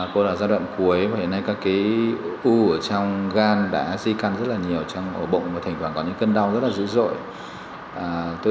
cô đã ra đoạn cuối và hiện nay các cái u ở trong gan đã di căn rất là nhiều trong bụng và thỉnh thoảng có những cân đau rất là dữ dội